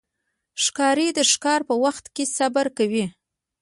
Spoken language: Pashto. ښکاري د ښکار په وخت کې صبر کوي.